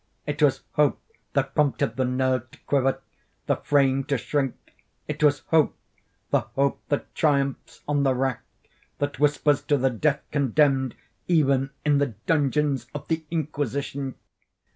It was hope that prompted the nerve to quiver—the frame to shrink. It was hope—the hope that triumphs on the rack—that whispers to the death condemned even in the dungeons of the Inquisition.